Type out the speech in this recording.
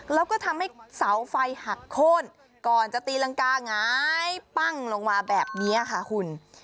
แล้วก็ทำให้เสาไฟหักโค้นก่อนจะตีรังกาหงายปั้งลงมาแบบนี้ค่ะคุณ